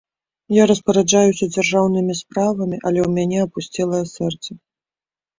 Я распараджаюся дзяржаўнымі справамі, але ў мяне апусцелае сэрца.